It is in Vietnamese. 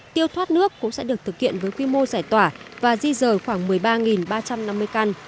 tiêu thoát nước cũng sẽ được thực hiện với quy mô giải tỏa và di rời khoảng một mươi ba ba trăm năm mươi căn